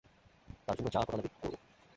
তার জন্য যা করা লাগে, করব।